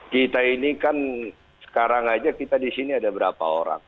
kita ini kan sekarang aja kita di sini ada berapa orang